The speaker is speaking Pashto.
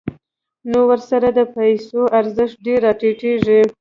نو ورسره د پیسو ارزښت ډېر راټیټېږي